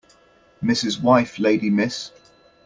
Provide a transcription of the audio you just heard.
Mrs. wife lady Miss